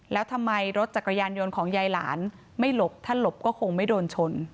แล้วทำไมรถจักรยานยนต์ของยายหลานไม่หลบถ้าหลบก็คงไม่โดนชน